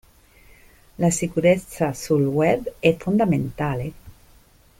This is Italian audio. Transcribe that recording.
La sicurezza sul Web è fondamentale.